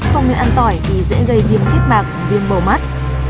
không nên ăn tỏi thì dễ gây điểm thiết mạc điểm bầu mắt